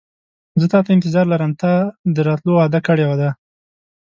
زه تاته انتظار لرم تا د راتلو وعده کړې ده.